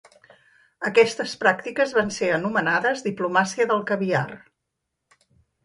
Aquestes pràctiques van ser anomenades diplomàcia del caviar.